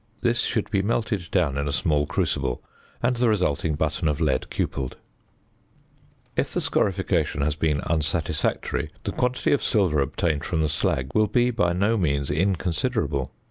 This should be melted down in a small crucible, and the resulting button of lead cupelled. [Illustration: FIG. 40.] If the scorification has been unsatisfactory, the quantity of silver obtained from the slag will be by no means inconsiderable.